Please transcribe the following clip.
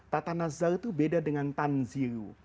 tatanazalu itu beda dengan tanzilu